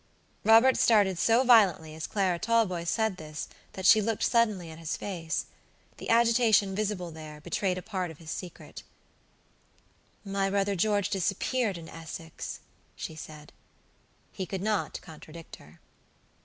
Robert started so violently as Clara Talboys said this, that she looked suddenly at his face. The agitation visible there, betrayed a part of his secret. "My brother George disappeared in Essex," she said. He could not contradict her.